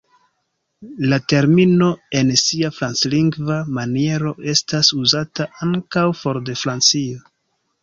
La termino en sia franclingva maniero estas uzata ankaŭ for de Francio.